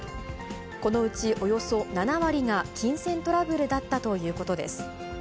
このうちおよそ７割が金銭トラブルだったということです。